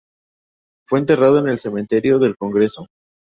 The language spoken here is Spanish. Fue enterrado en el Cementerio del congreso.